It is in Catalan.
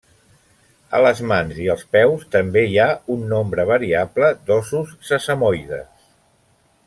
A les mans i els peus també hi ha un nombre variable d'ossos sesamoides.